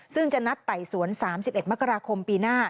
ซึ่งจะนัดไต่สวน๓๑มกราคมปีหน้า